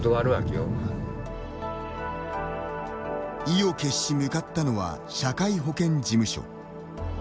意を決し向かったのは社会保険事務所。